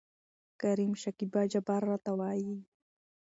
کريم : شکيبا جبار راته وايي.